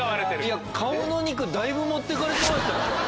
いや顔の肉だいぶ持ってかれてましたよ。